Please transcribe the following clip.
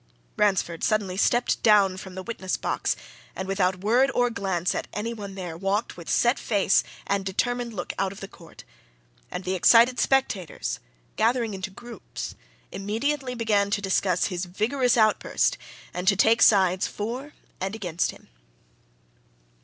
Ransford suddenly stepped down from the witness box and without word or glance at any one there, walked with set face and determined look out of the court, and the excited spectators, gathering into groups, immediately began to discuss his vigorous outburst and to take sides for and against him.